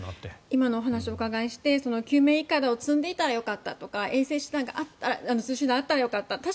今のお話をお伺いして救命いかだを載せていればよかった通信手段があったらよかったと。